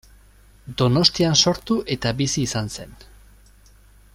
Donostian sortu eta bizi izan zen.